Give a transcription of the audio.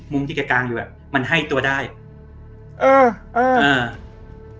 มุ้งที่แกกางอยู่อะมันให้ตัวได้เออเออเออ